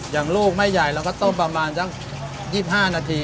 อย่างลูกไม่ใหญ่เราก็ต้มประมาณสัก๒๕นาที